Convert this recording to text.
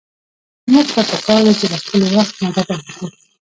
موږ ته په کار ده چې له خپل وخت نه ګټه واخلو.